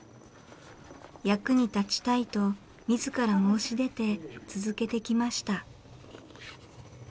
役に立ちたいと自ら申し出て続けてきました。